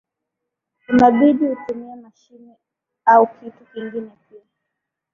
unabidi utumie mashine au kitu kingine pia